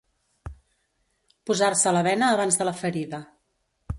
Posar-se la bena abans de la ferida.